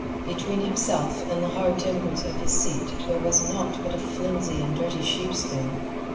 Between himself and the hard timbers of his seat there was naught but a flimsy and dirty sheepskin.